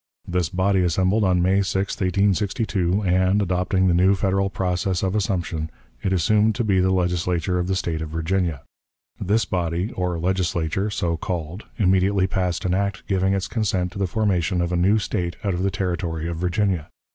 This body assembled on May 6, 1862, and, adopting the new Federal process of assumption, it assumed to be the Legislature of the State of Virginia. This body, or Legislature, so called, immediately passed an act giving its consent to the formation of a new State out of the territory of Virginia.